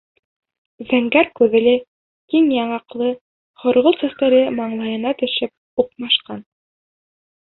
Зәңгәр күҙле, киң яңаҡлы, һорғолт сәстәре маңлайына төшөп уҡмашҡан.